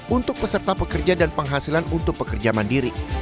untuk peserta pekerja dan penghasilan untuk pekerja mandiri